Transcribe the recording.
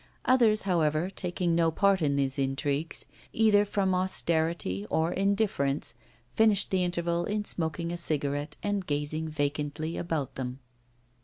Others, however, taking no part in these intrigues, either from austerity or indifference, finished the interval in smoking a cigarette and gazing vacantly about them.